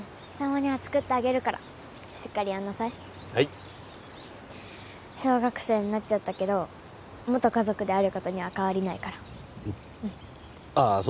たまには作ってあげるからしっかりやんなさいはい小学生になっちゃったけど元家族であることには変わりないからうんああ